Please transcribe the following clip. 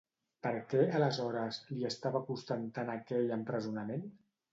Per què, aleshores, li estava costant tant aquell empresonament?